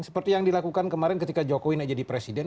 seperti yang dilakukan kemarin ketika jokowi tidak jadi presiden